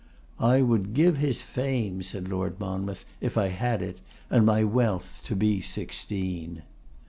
'I would give his fame,' said Lord Monmouth, 'if I had it, and my wealth, to be sixteen.